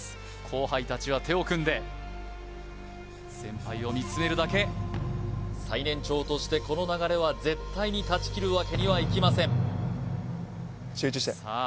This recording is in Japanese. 後輩達は手を組んで先輩を見つめるだけ最年長としてこの流れは絶対に断ち切るわけにはいきませんさあ